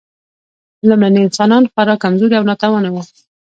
لومړني انسانان خورا کمزوري او ناتوانه وو.